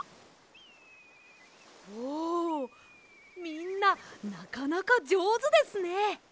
みんななかなかじょうずですね。